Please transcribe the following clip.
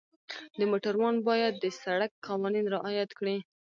د موټروان باید د سړک قوانین رعایت کړي.